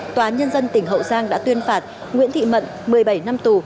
tòa nhân dân tỉnh hậu giang đã tuyên phạt nguyễn thị mận một mươi bảy năm tù